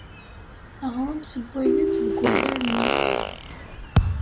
Aɣrum ssewwayen-t deg ufarnu.